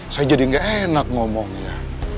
saya jadi nggak enak ngomongnya